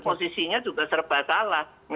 posisinya juga serba salah